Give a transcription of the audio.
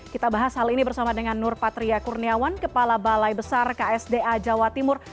kita bahas hal ini bersama dengan nur patria kurniawan kepala balai besar ksda jawa timur